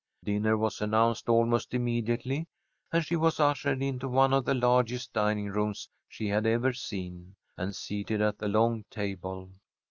Dinner was announced almost immediately, and she was ushered into one of the largest dining rooms she had ever seen, and seated at the long table.